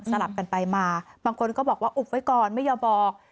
ลับกันไปมาบางคนก็บอกว่าอุบไว้ก่อนไม่ยอมบอก